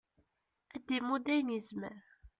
ad d-imudd ayen yezmer